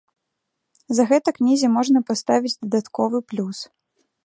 За гэта кнізе можна паставіць дадатковы плюс.